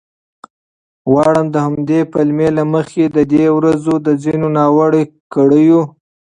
غواړم د همدې پلمې له مخې د دې ورځو د ځینو ناوړه کړیو